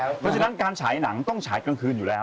เพราะฉะนั้นการฉายหนังต้องฉายกลางคืนอยู่แล้ว